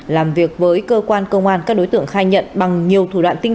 làm việc với cơ quan công an các đối tượng khai nhận bằng nhiều thủ đoạn tinh